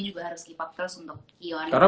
juga harus keep up terus untuk kion karena